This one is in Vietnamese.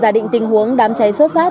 giả định tình huống đám cháy xuất phát